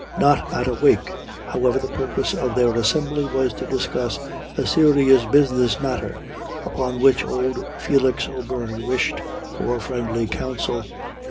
Not at a wake, however the purpose of their assembly was to discuss a serious business matter, upon which old Felix O'Beirne wished for friendly counsel.